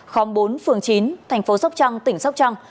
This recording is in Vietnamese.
khóm bốn phường chín thành phố sóc trăng tỉnh sóc trăng